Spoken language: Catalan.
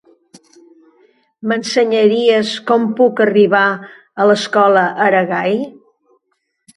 M'ensenyaries com puc arribar a l'Escola Aragai?